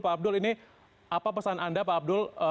pak abdul ini apa pesan anda pak abdul